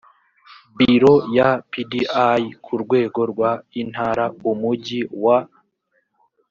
biro ya pdi ku rwego rw intara umujyi wa